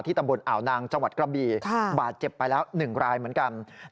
ตำบลอ่าวนางจังหวัดกระบีบาดเจ็บไปแล้ว๑รายเหมือนกัน